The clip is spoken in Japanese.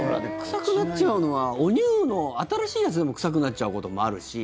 臭くなっちゃうのはおニューの、新しいやつでも臭くなっちゃうこともあるし。